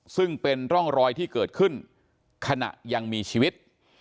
ซึ่งเป็นร่องรอยที่เกิดขึ้นขณะยังมีชีวิต